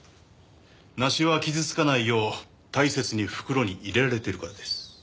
梨は傷つかないよう大切に袋に入れられてるからです。